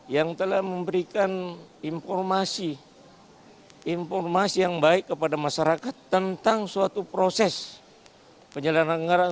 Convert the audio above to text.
yang telah memberikan informasi informasi yang baik kepada masyarakat tentang suatu proses penyelenggaraan anggaran